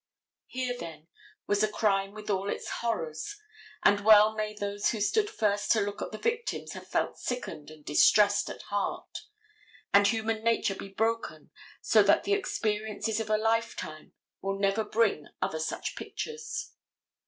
Here, then, was a crime with all its horrors, and well may those who stood first to look at the victims have felt sickened and distressed at heart, and human nature be broken so that the experience of a lifetime will never bring other such pictures.